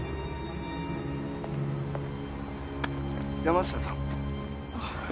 山下さん？